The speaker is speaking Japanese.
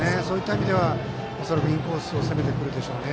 なので恐らくインコースを攻めてくるでしょう。